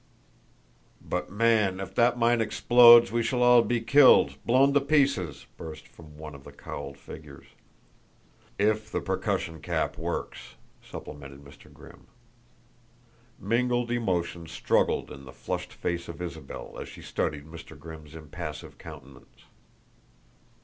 "But, man, if that mine explodes we shall all be killed blown to pieces!" burst from one of the cowled figures. "If the percussion cap works," supplemented Mr. Grimm. Mingled emotions struggled in the flushed face of Isabel as she studied Mr. Grimm's impassive countenance.